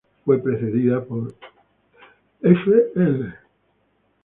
Fue precedida por "Fl.